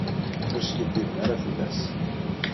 Ur skiddiben ara fell-as.